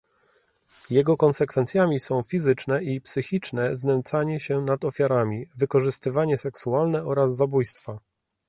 Jego konsekwencjami są fizyczne i psychiczne znęcanie się nad ofiarami, wykorzystywanie seksualne oraz zabójstwa